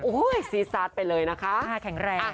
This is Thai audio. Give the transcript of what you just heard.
โอ้โหซีซาสไปเลยนะคะหน้าแข็งแรง